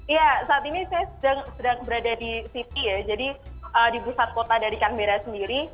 ya saat ini saya sedang berada di sydney ya jadi di pusat kota dari canberra sendiri